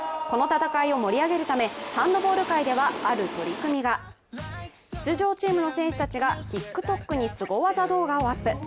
この戦いを盛り上げるため、ハンドボール界では、ある取り組みが出場チームの選手たちがＴｉｋＴｏｋにすご技動画をアップ。